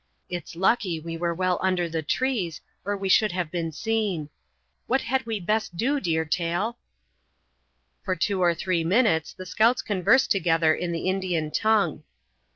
It's lucky we were well under the trees or we should have been seen. What had we best do, Deer Tail?" For two or three minutes the scouts conversed together in the Indian tongue.